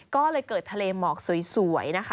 ก็เลยเกิดทะเลหมอกสวยนะคะ